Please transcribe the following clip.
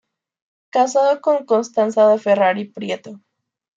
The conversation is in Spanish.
Casado con Constanza de Ferrari Prieto.